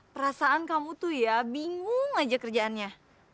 perasaan kamu tuh ya bingung aja kerjaannya